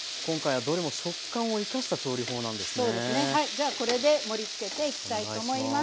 じゃあこれで盛りつけていきたいと思います。